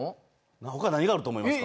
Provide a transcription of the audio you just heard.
ほかに何があると思いますか。